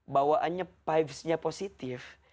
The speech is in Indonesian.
bawaannya vibesnya positif